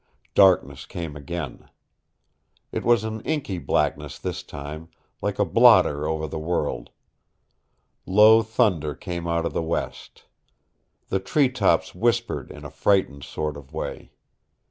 Darkness came again. It was an inky blackness this time, like a blotter over the world. Low thunder came out of the west. The tree tops whispered in a frightened sort of way.